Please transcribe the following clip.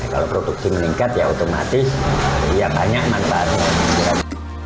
kalau produksi meningkat ya otomatis ya banyak manfaat